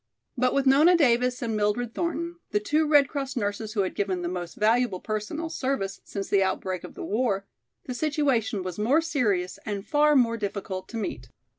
But with Nona Davis and Mildred Thornton, the two Red Cross nurses who had given the most valuable personal service, since the outbreak of the war, the situation was more serious and far more difficult to meet.